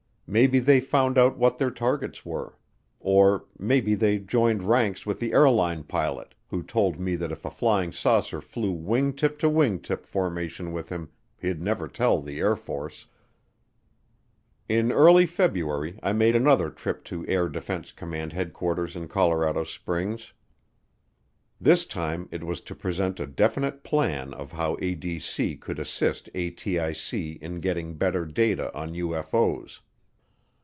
Maybe they found out what their targets were. Or maybe they joined ranks with the airline pilot who told me that if a flying saucer flew wing tip to wing tip formation with him, he'd never tell the Air Force. In early February I made another trip to Air Defense Command Headquarters in Colorado Springs. This time it was to present a definite plan of how ADC could assist ATIC in getting better data on UFO's.